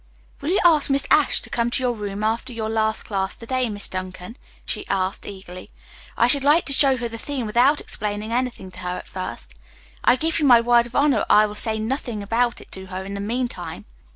"Will you ask Miss Ashe to come to your room after your last class to day, Miss Duncan?" she asked eagerly. "I should like to show her the theme without explaining anything to her at first. I give you my word of honor I will say nothing about it to her in the meantime."